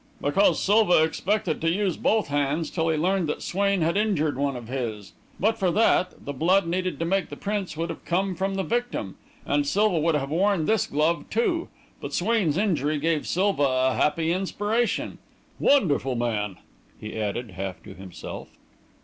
"Because Silva expected to use both hands, till he learned that Swain had injured one of his. But for that, the blood needed to make the prints would have come from the victim, and Silva would have worn this glove, too; but Swain's injury gave Silva a happy inspiration! Wonderful man!" he added, half to himself.